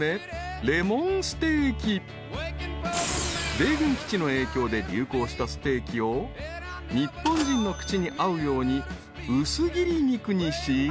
［米軍基地の影響で流行したステーキを日本人の口に合うように薄切り肉にし］